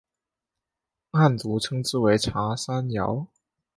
汉族称之为茶山瑶。